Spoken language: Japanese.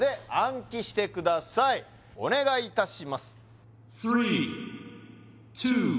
お願いいたします